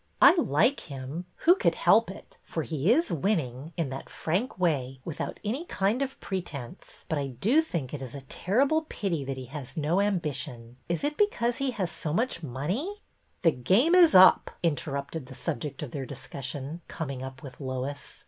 '' I like him — who could help it ?— for he is winning, in that frank way, without any kind of pretence, but I do think it is a terrible pity that he has no ambition. Is it because he has so much money ?"'' The game is up! " interrupted the subject of their discussion, coming up with Lois.